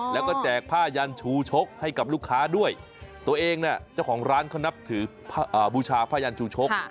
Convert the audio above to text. แล้วก็แจกผ้ายันชูชกให้กับลูกค้าด้วยตัวเองเนี่ยเจ้าของร้านเขานับถือบูชาผ้ายันชูชก